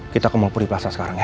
kita ke mall puri plaza sekarang ya